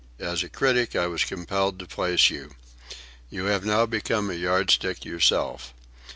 "As a critic I was compelled to place you. You have now become a yardstick yourself.